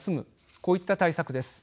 こういった対策です。